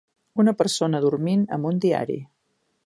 Una persona dormint amb un diari